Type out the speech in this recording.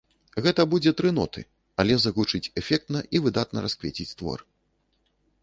Гэта будзе тры ноты, але загучыць эфектна і выдатна расквеціць твор.